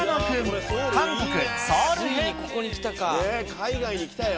海外に来たよ。